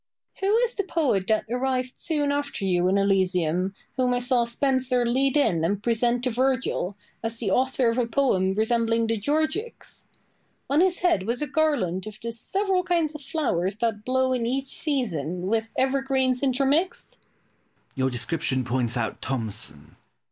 Boileau. Who is the poet that arrived soon after you in Elysium, whom I saw Spenser lead in and present to Virgil, as the author of a poem resembling the "Georgics"? On his head was a garland of the several kinds of flowers that blow in each season, with evergreens intermixed. Pope. Your description points out Thomson.